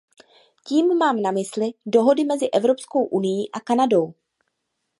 Tím mám na mysli dohody mezi Evropskou unií a Kanadou.